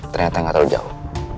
ternyata gak terlalu jauh